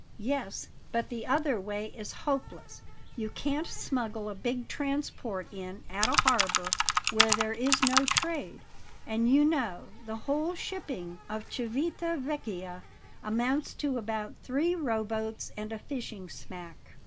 "Yes; but the other way is hopeless; you can't smuggle a big transport in at a harbour where there is no trade, and you know the whole shipping of Civita Vecchia amounts to about three row boats and a fishing smack.